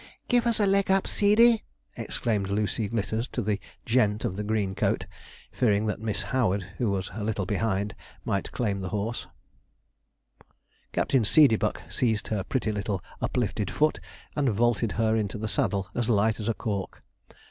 'Give us a leg up, Seedey!' exclaimed Lucy Glitters to the 'gent' of the green coat, fearing that Miss Howard, who was a little behind, might claim the horse. [Illustration: MR. BUGLES GOES OUT HUNTING AGAIN] Captain Seedeybuck seized her pretty little uplifted foot and vaulted her into the saddle as light as a cork.